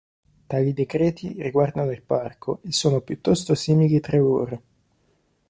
Tali decreti riguardano il parco e sono piuttosto simili tra loro.